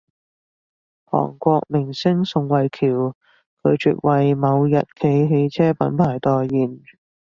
韓國明星宋慧喬拒絕爲某日企汽車品牌代言